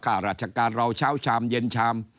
ข้าราชการเราเช้าชามเย็นชาม